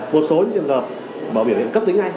một số trường hợp mà biểu hiện cấp tính ngay